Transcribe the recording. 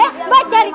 eh mbak dari